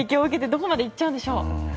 どこまでいっちゃうんでしょう。